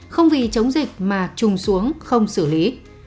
không vì chống dịch mà trùng xuống không xử lý